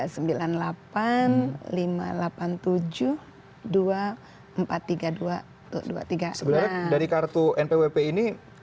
sebenarnya dari kartu npwp ini